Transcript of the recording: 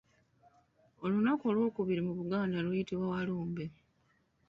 Olunaku olw'okubiri mu luganda luyitibwa Walumbe.